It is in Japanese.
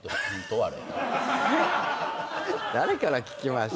誰から聞きました？